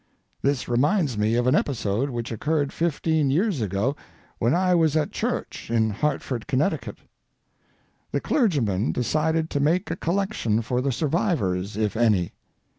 This reminds me of an episode which occurred fifteen years ago when I was at church in Hartford, Connecticut. The clergyman decided to make a collection for the survivors, if any.